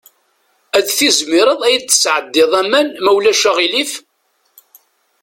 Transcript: Ad tizmireḍ ad iyi-d-tesɛeddiḍ aman, ma ulac aɣilif?